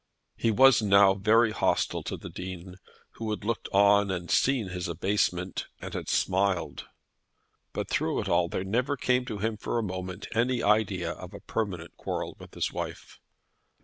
He was now very hostile to the Dean, who had looked on and seen his abasement, and had smiled. But, through it all, there never came to him for a moment any idea of a permanent quarrel with his wife.